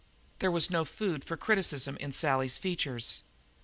There was food for criticism in Sally's features.